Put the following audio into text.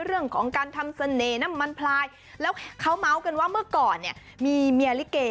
เรื่องของการทำเสน่ห์น้ำมันพลายแล้วเขาเมาส์กันว่าเมื่อก่อนเนี่ยมีเมียลิเก